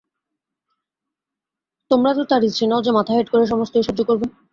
তোমরা তো তাঁর স্ত্রী নও যে মাথা হেঁট করে সমস্তই সহ্য করবে।